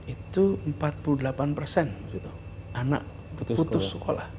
itu empat puluh delapan persen anak putus sekolah